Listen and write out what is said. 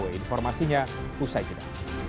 informasinya usai kita